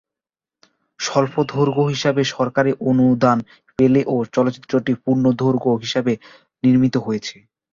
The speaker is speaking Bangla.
স্বল্পদৈর্ঘ্য হিসেবে সরকারি অনুদান পেলেও চলচ্চিত্রটি পূর্ণদৈর্ঘ্য হিসেবে নির্মিত হয়েছে।